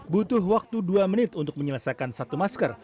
butuh waktu dua menit untuk menyelesaikan satu masker